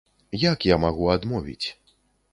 Як я магу адмовіць?